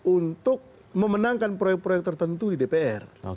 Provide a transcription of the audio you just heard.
untuk memenangkan proyek proyek tertentu di dpr